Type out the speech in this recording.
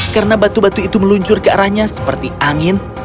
karena batu batu itu meluncur ke arahnya seperti angin